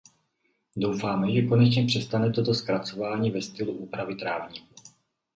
Doufáme, že konečně přestane toto zkracování ve stylu úpravy trávníku.